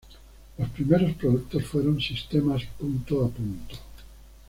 Los primeros productos fueron sistemas "punto a punto".